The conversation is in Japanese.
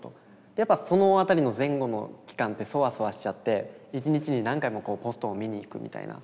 やっぱそのあたりの前後の期間ってそわそわしちゃって一日に何回もポストを見に行くみたいな。